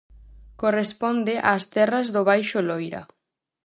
Corresponde ás terras do Baixo Loira.